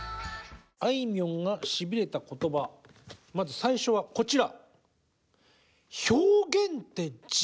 あいみょんがシビれた言葉まず最初はこちら。